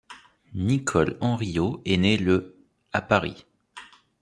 Nicole Henriot est née le à Paris.